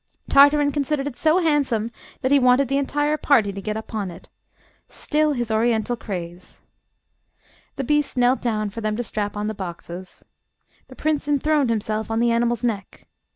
Tartarin considered it so handsome that he wanted the entire party to get upon it. Still his Oriental craze! The beast knelt down for them to strap on the boxes. The prince enthroned himself on the animal's neck.